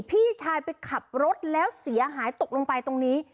พี่ชายไปขับรถแล้วเสียหายตกลงไปตรงนี้